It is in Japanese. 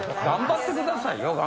頑張ってくださいよ。